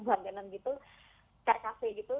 bukan dengan gitu kkc gitu